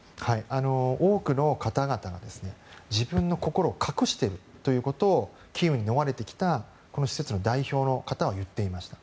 多くの方々が自分の心を隠していることをキーウに逃れてきた施設の代表の方は言っていました。